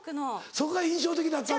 そこが印象的だったんだ。